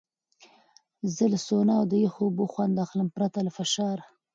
زه له سونا او یخو اوبو خوند اخلم، پرته له فشار.